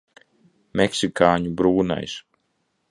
Meksikāņu brūnais.